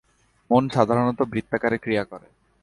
মন সাধারণত বৃত্তাকারে ক্রিয়া করে।